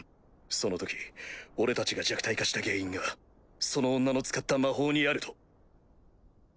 その時俺たちが弱体化した原因がその女の使った魔法にあると。